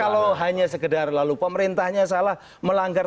kalau hanya sekedar lalu pemerintahnya salah melanggar